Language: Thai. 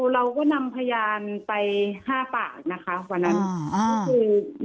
เราก็นำพยานไป๕ปากนะคะวันนั้นก็คือ